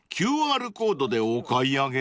ＱＲコードでお買い上げ？］